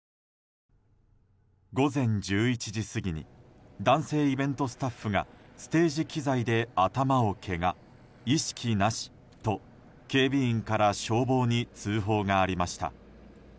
午前１１時過ぎに男性イベントスタッフがステージ機材で頭をけが意識なしと警備員から消防に通報がありました。